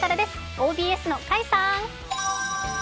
ＯＢＳの甲斐さん。